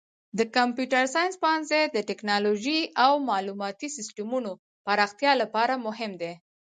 د کمپیوټر ساینس پوهنځی د تکنالوژۍ او معلوماتي سیسټمونو پراختیا لپاره مهم دی.